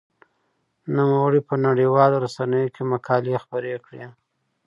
نوموړي په نړيوالو رسنيو کې مقالې خپرې کړې.